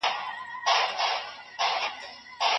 ډيپلوماسي د راتلونکي نړیوالو اړیکو لپاره لارښود ده.